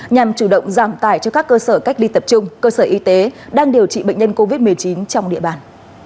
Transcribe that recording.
nhằm chủ động giảm tài cho các cơ sở cách ly tập trung cơ sở y tế đang điều trị bệnh nhân covid một mươi chín trong địa bàn